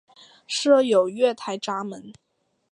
设有月台闸门。